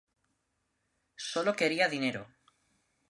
Sólo quería dinero.